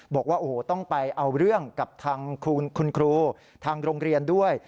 บอกว่าโอ้โหต้องไปเอาเรื่องกับทางคุณครูทางโรงเรียนด้วย